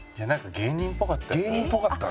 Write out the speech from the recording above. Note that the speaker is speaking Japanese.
芸人っぽかったな。